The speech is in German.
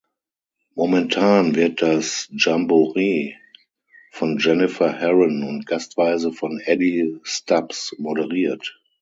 Momentan wird das Jamboree von Jennifer Herron und gastweise von Eddie Stubbs moderiert.